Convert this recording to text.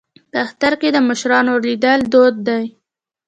په اختر کې د مشرانو لیدل دود دی.